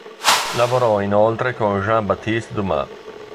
Lavorò inoltre con Jean Baptiste Dumas.